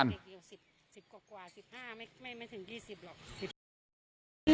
อายุ๑๐กว่า๑๕ไม่ถึง๑๐สัก๒๐๓๑จุด